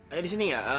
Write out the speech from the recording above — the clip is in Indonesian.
ayah disini gak